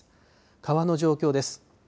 川の状況です。